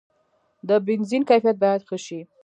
د بنزین کیفیت باید ښه شي.